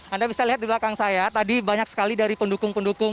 anda bisa lihat di belakang saya tadi banyak sekali dari pendukung pendukung